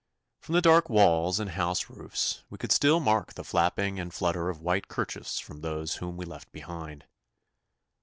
From the dark walls and house roofs we could still mark the flapping and flutter of white kerchiefs from those whom we left behind.